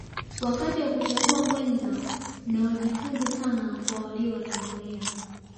wakati wa kuchagua mwenza na wajifunze sana kwa walio watangulia